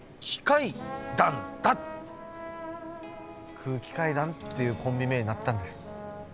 「空気階段」っていうコンビ名になったんです。